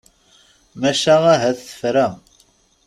Maca ahat tefra.